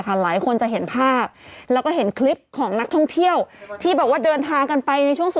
อ๋อดิเจปูน์อย่างนี้อยู่ดีก็ไปได้ไง